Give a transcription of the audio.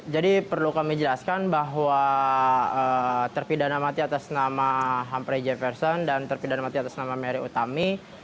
jadi perlu kami jelaskan bahwa terpidana mati atas nama humphrey jefferson dan terpidana mati atas nama mary utami